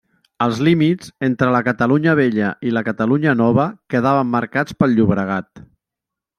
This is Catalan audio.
Els límits entre la Catalunya Vella i la Catalunya Nova quedaven marcats pel Llobregat.